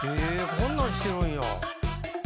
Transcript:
こんなんしてるんや。